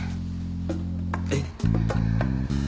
えっ？